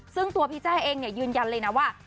ซึ่งตัวพี่แจ้เองยืนยันเลยนะว่า